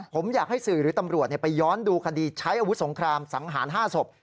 ผมอยากให้สื่อหรือตำรวจไปย้อนดูคดีใช้อาวุธสงครามสังหาร๕ศพ